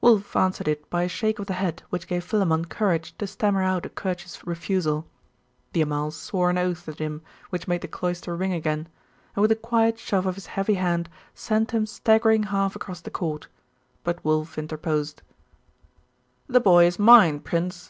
Wulf answered it by a shake of the head which gave Philammon courage to stammer out a courteous refusal. The Amal swore an oath at him which made the cloister ring again, and with a quiet shove of his heavy hand, sent him staggering half across the court: but Wulf interposed. 'The boy is mine, prince.